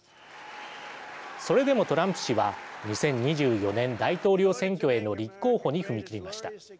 それでも、トランプ氏は２０２４年大統領選挙への立候補に踏み切りました。